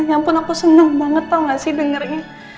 ya ampun aku seneng banget tau gak sih dengernya